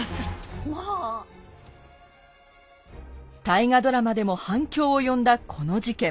大河ドラマでも反響を呼んだこの事件。